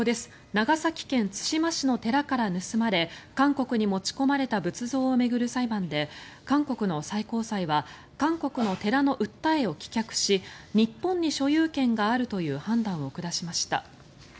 長崎県対馬市の寺から盗まれ韓国に持ち込まれた仏像を巡る裁判で、韓国の最高裁は韓国の寺の訴えを棄却し日本に所有権があるという判断を下しました。